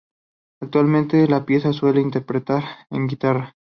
Actualmente la pieza suele interpretarse en guitarra.